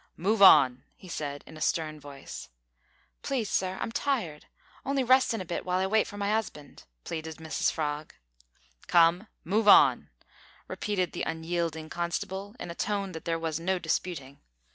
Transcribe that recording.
"Move on," he said in a stern voice. "Please, sir, I'm tired. On'y restin' a bit while I wait for my 'usband," pleaded Mrs Frog. "Come, move on," repeated the unyielding constable in a tone that there was no disputing.